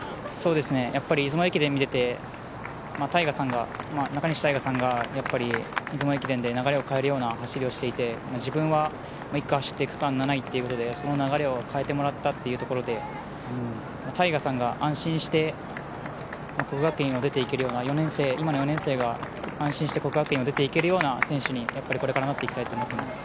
出雲駅伝に出て中西大翔さんが出雲駅伝で流れを変えるような走りをしていて自分は１区を走って区間７位ということでその流れを変えてもらったというところで大翔さんが安心して國學院を出ていけるような今の４年生が安心して國學院を出ていけるような選手にこれからなっていきたいと思っています。